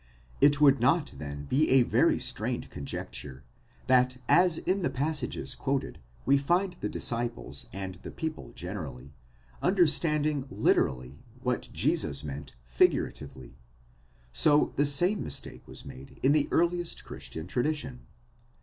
It would not then be a very strained conjecture, that as in the passages quoted we find the disciples and the people generally, understanding literally what Jesus meant figuratively ; so the same mistake was made in the earliest Christian tradition.